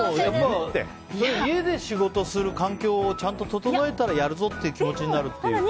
でも、家で仕事する環境をちゃんと整えたらやるぞっていう気持ちになるっていう。